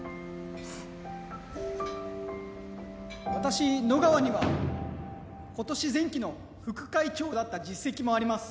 私野川には今年前期の副会長だった実績もあります。